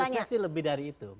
harusnya sih lebih dari itu